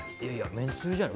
めんつゆじゃない？